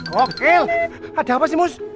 kokel ada apa sih mus